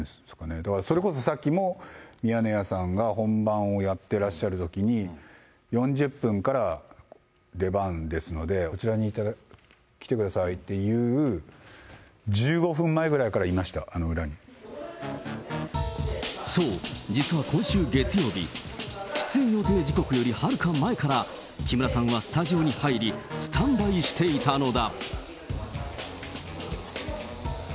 だから、それこそさっきも、ミヤネ屋さんが本番をやってらっしゃるときに、４０分から出番ですので、こちらに来てくださいっていう、１５分前ぐらいからいました、そう、実は今週月曜日、出演予定時刻よりはるか前から、木村さんはスタジオに入り、スタンバイしていたのだ。